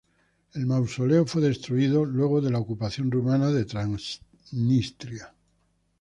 El mausoleo fue luego destruido luego de la ocupación rumana en Transnistria.